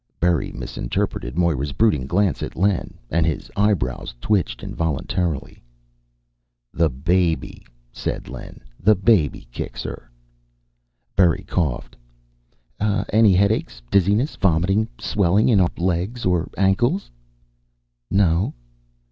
Berry misinterpreted Moira's brooding glance at Len, and his eyebrows twitched involuntarily. "The baby," said Len. "The baby kicks her." Berry coughed. "Any headaches? Dizziness? Vomiting? Swelling in our legs or ankles?" "No."